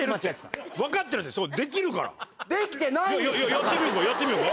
やってみようかやってみようか。